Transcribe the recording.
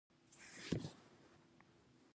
دا حقیقت له لرغونې زمانې تر اوسني عصر پورې څرګند دی